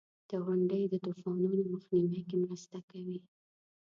• غونډۍ د طوفانونو مخنیوي کې مرسته کوي.